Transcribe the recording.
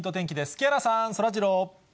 木原さん、そらジロー。